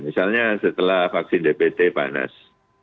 misalnya setelah vaksin dpt panas